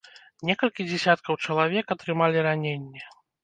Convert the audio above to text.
Некалькі дзесяткаў чалавек атрымалі раненні.